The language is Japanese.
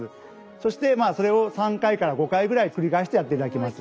そしてそれを３回から５回ぐらい繰り返してやっていただきます。